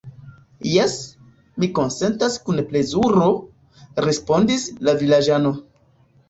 Jes, mi konsentas kun plezuro, respondis la vilaĝano.